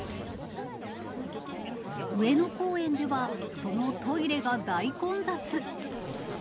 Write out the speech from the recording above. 上野公園では、そのトイレが大混雑。